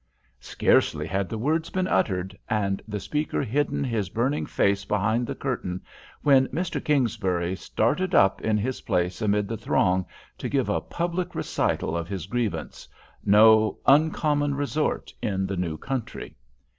Scarcely had the words been uttered, and the speaker hidden his burning face behind the curtain, when Mr. Kingsbury started up in his place amid the throng, to give a public recital of his grievance—no uncommon resort in the new country.